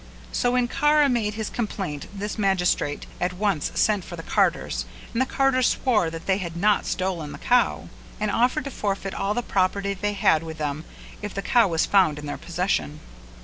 So when Kara made his complaint this magistrate at once sent for the carters and the carters swore that they had not stolen the cow: and offered to forfeit all the property they had with them, if the cow were found in their possession.